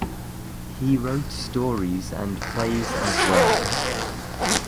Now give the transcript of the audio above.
He wrote stories and plays as well.